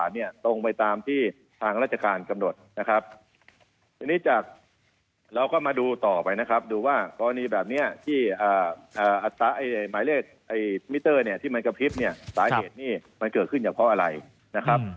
เนี่ยสาเหตุนี่มันเกิดขึ้นเฉพาะอะไรนะครับ